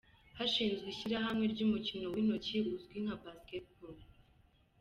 Hashinzwe ishyirahamwe ry’umukino w’intoki uzwi nka basketball.